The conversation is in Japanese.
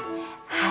はい。